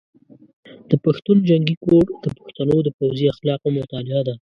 د پښتون جنګي کوډ د پښتنو د پوځي اخلاقو مطالعه ده.